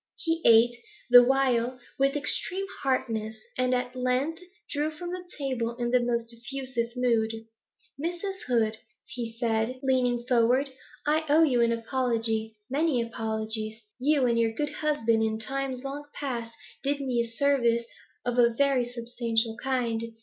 He ate, the while, with extreme heartiness, and at length drew from the table in the most effusive mood. 'Mrs. Hood,' he said, leaning forward, 'I owe you an apology, many apologies. You and your good husband in times long past did me a service of a very substantial kind.